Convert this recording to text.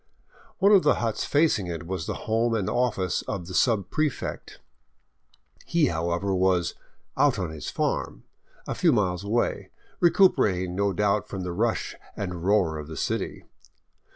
One of the huts facing it was the home and office of the subprefect. He, how ever, was " out on his farm " a few miles away, recuperating no doubt from the rush and roar of the city.